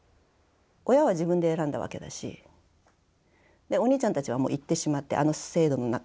親は自分で選んだわけだしお兄ちゃんたちはもう行ってしまってあの制度の中